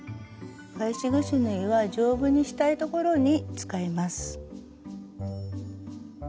返しぐし縫いは丈夫にしたい所に使います。